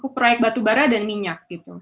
proyek batu bara dan minyak gitu